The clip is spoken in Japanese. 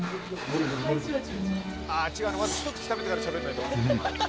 「ああ違うのまずひと口食べてからしゃべらないと」